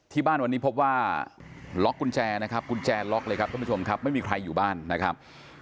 ที่บ้านวันนี้พบว่าล็อกกุญแจนะครับกุญแจล็อกเลยครับท่านผู้ชมครับไม่มีใครอยู่บ้านนะครับ